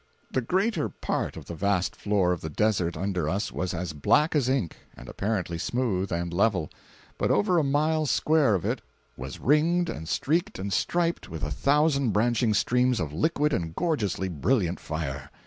535.jpg (125K) The greater part of the vast floor of the desert under us was as black as ink, and apparently smooth and level; but over a mile square of it was ringed and streaked and striped with a thousand branching streams of liquid and gorgeously brilliant fire!